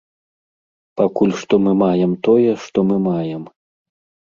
Пакуль што мы маем тое, што мы маем.